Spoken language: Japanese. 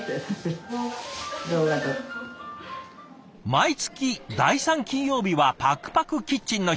毎月第３金曜日はぱくぱくキッチンの日。